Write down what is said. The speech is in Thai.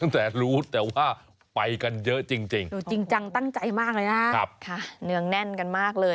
แต่รู้แต่ว่าไปกันเยอะจริงจริงตั้งใจมากเลยนะครับ